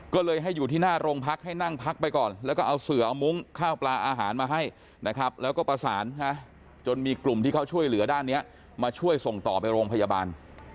ก็เลยให้อยู่ที่หน้าโรงพักให้นั่งพักไปก่อนแล้วก็เอาเสือเอามุ้งข้าวปลาอาหารมาให้นะครับแล้วก็ประสานจนมีกลุ่มที่เขาช่วยเหลือด้านนี้มาช่วยส่งต่อไปโรงพยาบาล